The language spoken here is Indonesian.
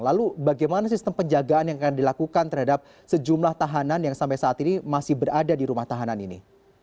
lalu bagaimana sistem penjagaan yang akan dilakukan terhadap sejumlah tahanan yang sampai saat ini masih berada di rumah tahanan ini